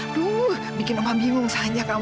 aduh bikin orang bingung saja kamu